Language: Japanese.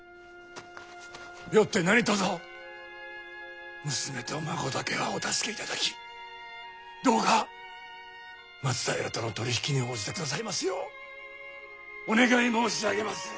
よって何とぞ娘と孫だけはお助けいただきどうか松平との取り引きに応じてくださいますようお願い申し上げまする。